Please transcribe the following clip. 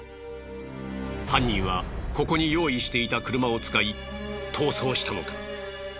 犯人はここに用意していた車を使い逃走したのか？